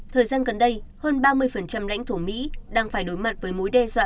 thời gian gần đây hơn ba mươi lãnh thổ mỹ đang phải đối mặt với mối đe dọa